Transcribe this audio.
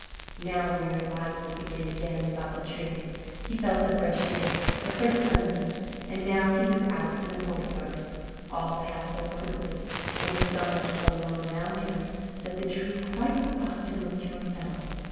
"Now a merry life will begin again," thought the Tree. He felt the fresh air, the first sunbeam and now he was out in the courtyard. All passed so quickly, there was so much going on around him, that the Tree quite forgot to look to himself.